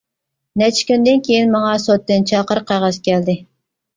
نەچچە كۈندىن كېيىن ماڭا سوتتىن چاقىرىق قەغەز كەلدى.